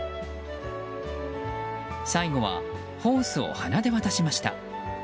最後はホースを鼻で渡しました。